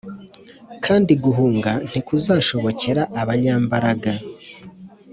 Kandi guhunga ntikuzashobokera abanyambaraga